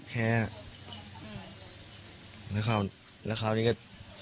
แล้วคราวนี้ก็